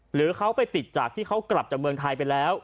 หรือเขาไปติดจากที่เขากลับจากเมืองไทยไปแล้ว